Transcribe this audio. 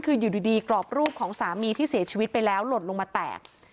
คืออยู่ดีกรอบรูปของสามีที่เสียชีวิตไปแล้วหล่นลงมาแตก